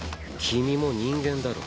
君も人間だろ。